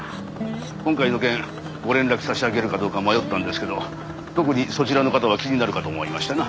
今回の件ご連絡差し上げるかどうか迷ったんですけど特にそちらの方は気になるかと思いましてな。